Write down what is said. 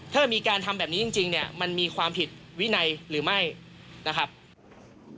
ถ้ามีการทำแบบนี้จริงเนี่ยมันมีความผิดวินัยหรือไม่นะครับ